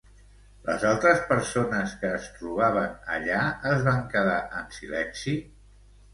Les altres persones que es trobaven allà es van quedar en silenci?